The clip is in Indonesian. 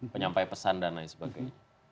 penyampai pesan dan lain sebagainya